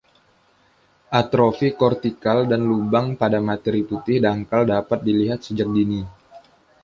Atrofi kortikal dan lubang pada materi putih dangkal dapat dilihat sejak dini.